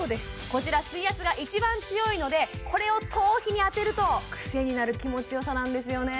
こちら水圧が一番強いのでこれを頭皮に当てると癖になる気持ちよさなんですよね